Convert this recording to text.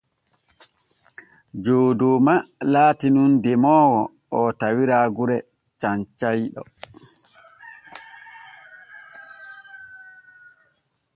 Jooɗooma laati nun demoowo oo tawira gure Cancayɗo.